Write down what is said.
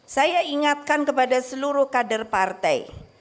saya ingatkan kepada seluruh kader partai